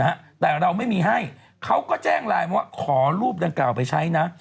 อธุรธิ์แต่เราไม่มีให้เขาก็แจ้งไลน์ว่าขอรูปกลางกล่าวไปใช้นะ